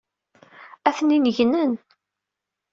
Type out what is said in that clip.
Atnin gnen.